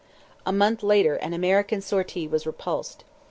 A month later an American sortie was repulsed.